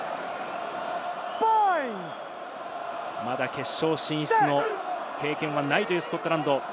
まだ決勝進出の経験はないというスコットランド。